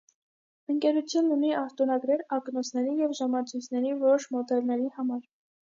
Ընկերությունն ունի արտոնագրեր ակնոցների և ժամացույցների որոշ մոդելների համար։